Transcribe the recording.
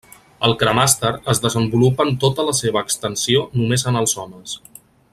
El cremàster es desenvolupa en tota la seva extensió només en els homes.